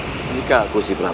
bismillah kusi perak